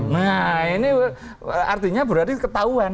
nah ini artinya berarti ketahuan